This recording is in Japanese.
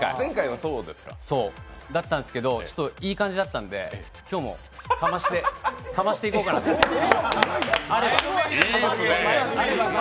だったんですけど、ちょっといい感じだったんで、今日もかましていこうかなと。いいですね。